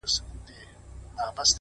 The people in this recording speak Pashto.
• دوې کښتۍ مي وې نجات ته درلېږلي ,